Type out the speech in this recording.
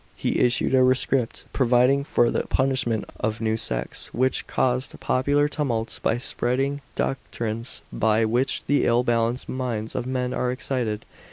he issued a rescript, providing for the punishment of new sects, which caused popular tumults by spreading doctrines "by which the ill balanced minds of men are excited."